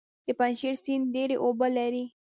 د پنجشیر سیند ډیرې اوبه لري